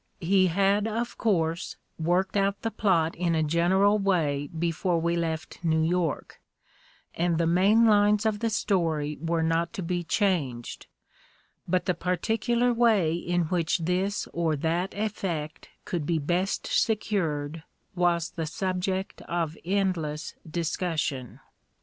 He had, of course, worked out the plot in a gen eral way before we left New York, and the main lines of the story were not to be changed, but the particular way in which this or that effect could be best secured was the subject of endless discussion.